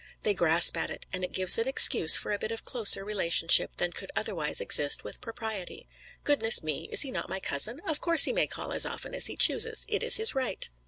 They grasp at it; and it gives an excuse for a bit of closer relationship than could otherwise exist with propriety. Goodness me! is he not my cousin? Of course he may call as often as he chooses. It is his right.